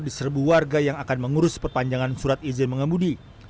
diserbu warga yang akan mengurus perpanjangan surat izin mengemudi